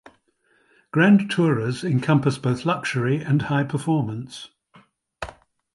Grand Tourers encompass both luxury and high-performance.